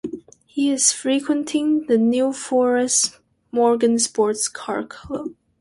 He is frequenting the New Forest Morgan sports car club.